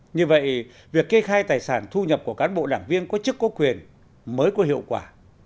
như vậy việc kê khai tài sản thu nhập của cán bộ đảng viên có chức có quyền mới có hiệu quả